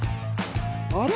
あれ？